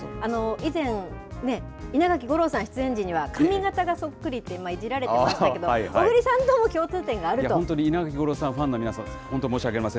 以前ね、稲垣吾郎さん出演時には、髪形がそっくりっていじられていましたけど、小栗さんとも共通点本当に稲垣吾郎さんのファンの皆さん、本当、申し訳ありません。